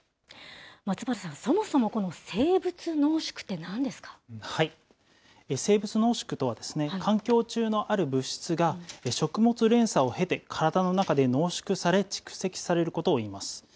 松原さん、そもそも、生物濃縮とは、環境中のある物質が、食物連鎖を経て、体の中で濃縮され、蓄積されることをいいます。